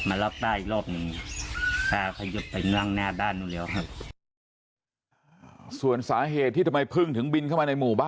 อยากต่อยก็ต่อยไปไม่ไหวแล้วสู้อะไรไม่ได้